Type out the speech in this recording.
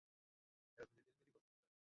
উকিল আনতে চায়!